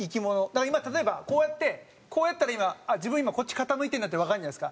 だから今例えばこうやってこうやったら今自分今こっち傾いてるなってわかるじゃないですか。